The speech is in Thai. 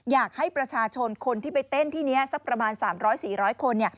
อยากให้ประชาชนคนที่ไปเต้นที่นี้สักประมาณ๓๐๐๔๐๐คน